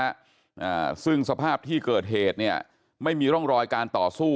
อ่าซึ่งสภาพที่เกิดเหตุเนี่ยไม่มีร่องรอยการต่อสู้